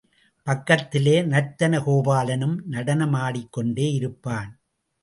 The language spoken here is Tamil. பக்கத்திலே நர்த்தன கோபாலனும் நடனம் ஆடிக்கொண்டே இருப்பான்.